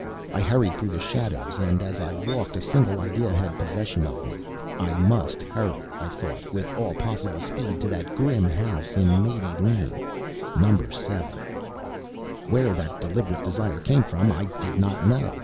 I hurried through the shadows, and as I walked, a single idea had possession of me. I must hurry, I thought, with all possible speed, to that grim house in Mate Lane number seven. Where that deliberate desire came from I did not know.